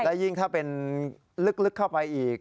และยิ่งถ้าเป็นลึกเข้าไปอีก